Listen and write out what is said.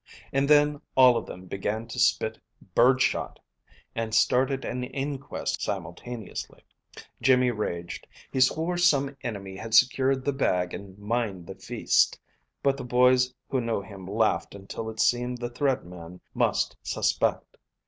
And then all of them began to spit birdshot, and started an inquest simultaneously. Jimmy raged. He swore some enemy had secured the bag and mined the feast; but the boys who knew him laughed until it seemed the Thread Man must suspect.